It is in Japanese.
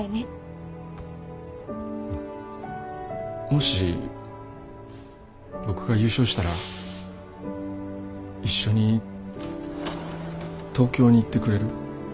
もし僕が優勝したら一緒に東京に行ってくれる？